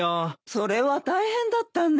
それは大変だったね。